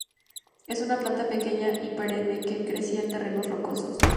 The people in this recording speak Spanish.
Es una planta pequeña y perenne que crece en terrenos rocosos.